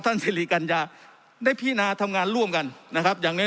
ท่านศิริกัญญาได้พี่นาทำงานร่วมกันนะครับอย่างน้อย